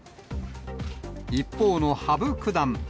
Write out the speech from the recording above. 一方の羽生九段。